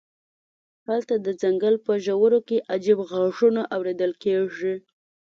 هلته د ځنګل په ژورو کې عجیب غږونه اوریدل کیږي